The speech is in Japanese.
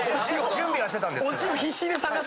準備はしてたんですけど。